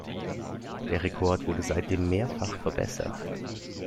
Der Rekord wurde seitdem mehrfach verbessert.